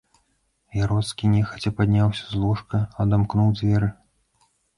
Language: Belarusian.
Яроцкі нехаця падняўся з ложка, адамкнуў дзверы.